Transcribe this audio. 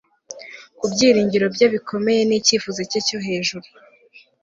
Ku byiringiro bye bikomeye nicyifuzo cye cyo hejuru